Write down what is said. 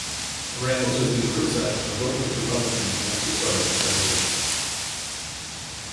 Ramos has been criticized for voting with Republicans against his party on several issues.